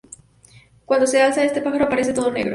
Cuando se alza, este pájaro aparece todo negro.